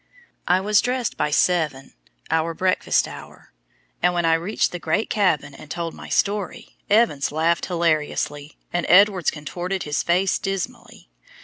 I was dressed by seven, our breakfast hour, and when I reached the great cabin and told my story, Evans laughed hilariously, and Edwards contorted his face dismally.